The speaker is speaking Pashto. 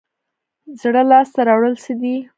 زړه لاس ته راوړل څه دي؟